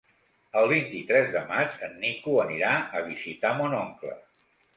El vint-i-tres de maig en Nico anirà a visitar mon oncle.